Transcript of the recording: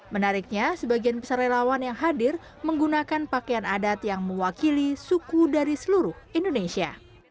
menariknya sebagian besar relawan yang hadir menggunakan pakaian adat yang mewakili suku dari seluruh indonesia